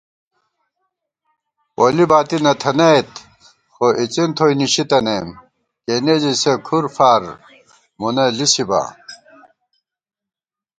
پولی باتی نہ تھنَئیت خو اِڅِن تھوئی نِشِتَنَئیم، کېنےژِی سے کھُرفار مونہ لِسِبا